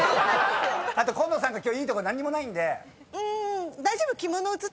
あと紺野さんが今日いいとこ何にもないんで。